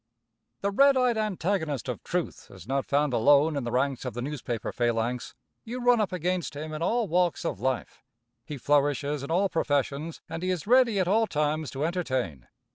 The red eyed antagonist of truth is not found alone in the ranks of the newspaper phalanx. You run up against him in all walks of life. He flourishes in all professions, and he is ready at all times to entertain.